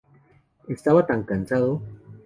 Estaba tan cansado.